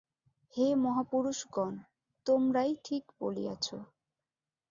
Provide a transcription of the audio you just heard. হে মহাপুরুষগণ, তোমরাই ঠিক বলিয়াছ।